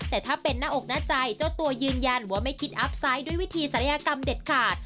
แต่ถ้าเป็นหน้าอกหน้าใจเจ้าตัวยืนยันว่าไม่คิดอัพไซต์ด้วยวิธีศัลยกรรมเด็ดขาด